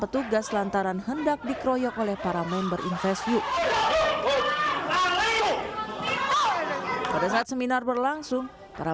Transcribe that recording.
tugas lantaran hendak dikroyok oleh para member investyuk pada saat seminar berlangsung para